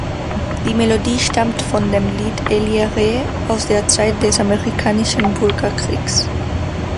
Die Melodie stammt von dem Lied „Ellie Rhee“ aus der Zeit des Amerikanischen Bürgerkriegs.